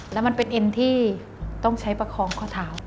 แล้วมันเป็นเอ็นที่ต้องใช้ประคองข้อเท้า